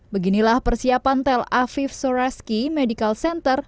beginilah persiapan tel aviv suraski medical center